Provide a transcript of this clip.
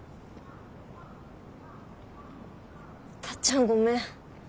タッちゃんごめん。